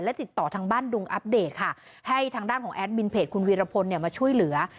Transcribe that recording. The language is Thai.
ติดต่อทางบ้านดุงอัปเดตค่ะให้ทางด้านของแอดมินเพจคุณวีรพลเนี่ยมาช่วยเหลือ